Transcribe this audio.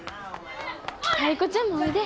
タイ子ちゃんもおいで。